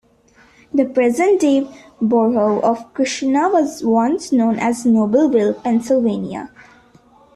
The present-day borough of Christiana was once known as Nobleville, Pennsylvania.